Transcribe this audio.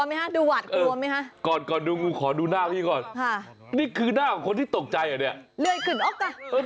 มันเหลือดเท้าให้กลับมานะครับมันเหลือดเท้าให้กลับมานะครับ